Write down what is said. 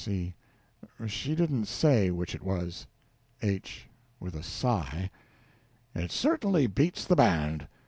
C. She didn't say which it was. H. (With a sigh). It certainly beats the band!